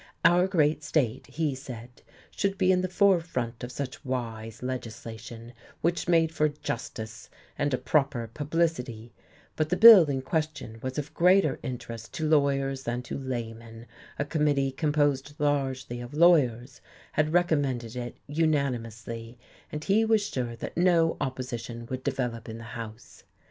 Our great state, he said, should be in the forefront of such wise legislation, which made for justice and a proper publicity; but the bill in question was of greater interest to lawyers than to laymen, a committee composed largely of lawyers had recommended it unanimously, and he was sure that no opposition would develop in the House.